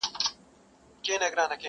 o نه دي نوم وي د لیلا نه دي لیلا وي,